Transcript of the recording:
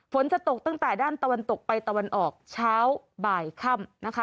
ฝนจะตกตั้งแต่ด้านตะวันตกไปตะวันออกเช้าบ่ายค่ำนะคะ